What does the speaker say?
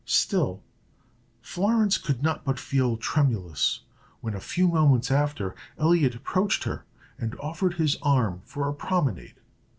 Still, Florence could not but feel tremulous, when, a few moments after, Elliot approached her and offered his arm for a promenade.